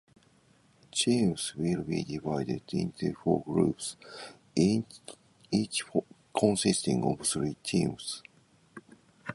Teams will be divided into four groups, each consisting of three teams.